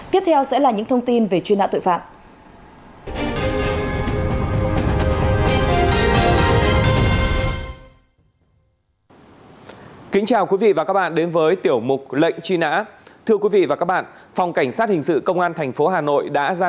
tiếp theo sẽ là những thông tin về truy nã tội phạm